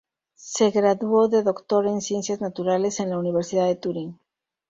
Se graduó de doctor en ciencias naturales en la Universidad de Turín.